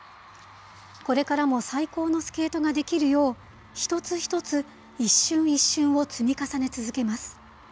これからも最高のスケートができるよう、一つ一つ、一瞬一瞬を積み重ね続けます。